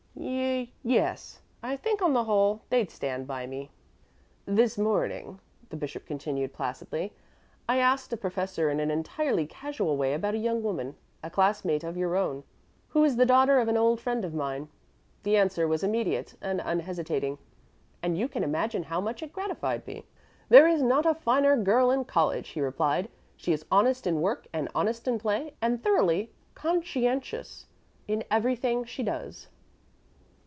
"Ye yes; I think, on the whole, they'd stand by me." "This morning," the bishop continued placidly, "I asked a professor in an entirely casual way about a young woman a class mate of your own who is the daughter of an old friend of mine. The answer was immediate and unhesitating, and you can imagine how much it gratified me. 'There is not a finer girl in college,' he replied. 'She is honest in work and honest in play, and thoroughly conscientious in everything she does.'"